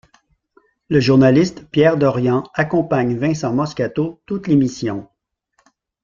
Le journaliste Pierre Dorian accompagne Vincent Moscato toute l'émission.